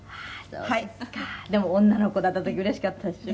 でも女の子だった時うれしかったでしょ？」